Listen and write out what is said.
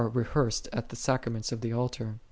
Ben. eii. at the Sacraments of the Altar.'